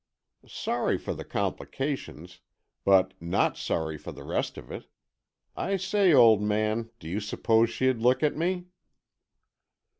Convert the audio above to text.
"Sorry for the complications, but not sorry for the rest of it. I say, old man, do you suppose she'd look at me?"